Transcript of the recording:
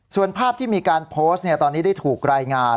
ส่วนภาพที่มีการโพสต์ตอนนี้ได้ถูกรายงาน